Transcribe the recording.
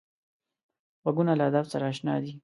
غوږونه له ادب سره اشنا دي